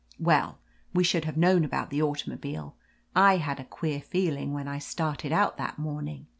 Well, we should have known about the auto mobile. I had a queer feeling when I started out that morning.